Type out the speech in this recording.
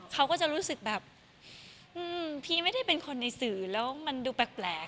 เขาก็จะรู้สึกแบบพี่ไม่ได้เป็นคนในสื่อแล้วมันดูแปลก